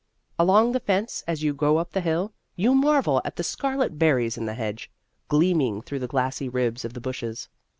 Along the fence, as you go up the hill, you marvel at the scarlet berries in the hedge, gleaming through the glassy ribs of the bushes.